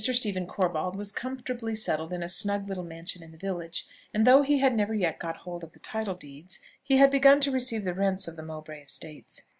Stephen Corbold was comfortably settled in a snug little mansion in the village, and though he had never yet got hold of the title deeds, he had begun to receive the rents of the Mowbray estates.